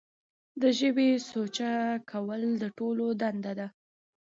د ژبې سوچه کول د ټولو دنده ده.